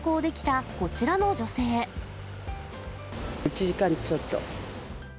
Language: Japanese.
１時間ちょっと。